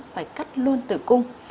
phải cắt luôn tử cung